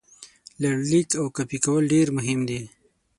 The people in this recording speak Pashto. لړلیک او کاپي کول ډېر مهم دي.